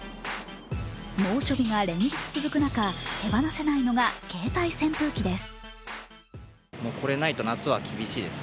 猛暑日が連日続く中手放せないのが携帯扇風機です。